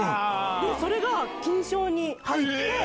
それが金賞に入って。